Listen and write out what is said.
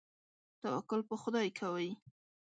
توکل په خدای کوئ؟